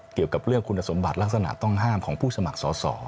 เกี่ยวกับเรื่องคุณสมบัติลักษณะต้องห้ามของผู้สมัครสอสอ